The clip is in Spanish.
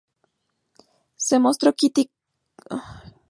Se mostró crítico con Oswald Spengler y "La decadencia de Occidente".